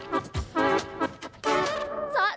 อาจารย์